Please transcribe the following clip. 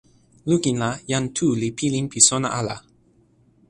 lukin la, jan Tu li pilin pi sona ala.